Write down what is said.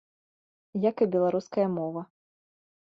Як і беларуская мова.